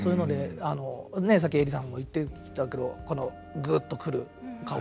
ねえさっきえりさんも言っていたけどこのぐっとくる顔。